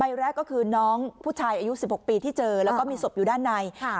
แรกก็คือน้องผู้ชายอายุ๑๖ปีที่เจอแล้วก็มีศพอยู่ด้านใน